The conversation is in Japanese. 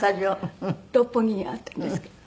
六本木にあったんですけど。